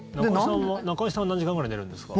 中居さんは何時間ぐらい寝るんですか？